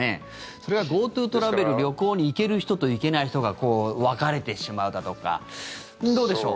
それはＧｏＴｏトラベル旅行に行ける人と行けない人が分かれてしまうだとかどうでしょう？